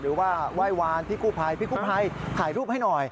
หรือว่าไหว้วานพี่กู้ภัยพี่กู้ภัยถ่ายรูปให้หน่อย